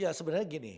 ya sebenarnya gini